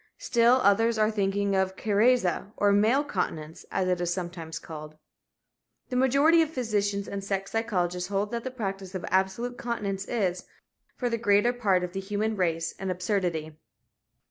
Still others are thinking of Karezza, or male continence, as it is sometimes called. The majority of physicians and sex psychologists hold that the practice of absolute continence is, for the greater part of the human race, an absurdity.